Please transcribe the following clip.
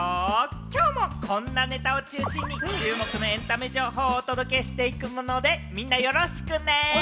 きょうもこんなネタを中心に注目のエンタメ情報をお届けしていくので、みんなよろしくね。